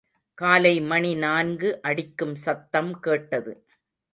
காலை மணி நான்கு அடிக்கும் சத்தம் கேட்டது.